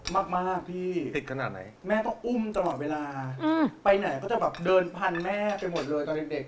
มากพี่แม่ต้องอุ้มทั้งหมดเวลาไปไหนก็จะเดินพันแม่ไปหมดเลยตอนเด็ก